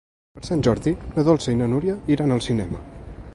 Per Sant Jordi na Dolça i na Núria iran al cinema.